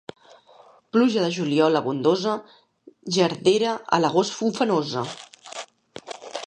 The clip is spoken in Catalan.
Pluja de juliol abundosa, gerdera a l'agost ufanosa.